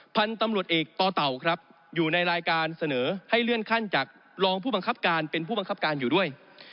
พันธุ์ตำรวจเอกต่อเต่าครับอยู่ในรายการเสนอให้เลื่อนขั้นจากรองผู้บังคับการเป็นผู้บังคับการอยู่ด้วย